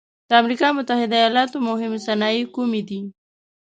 د امریکا متحد ایلاتو مهمې صنایع کومې دي؟